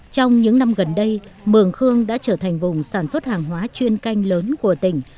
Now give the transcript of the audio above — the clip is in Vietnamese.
trong những năm gần đây mường khương đã trở thành vùng sản xuất hàng hóa chuyên canh lớn của tỉnh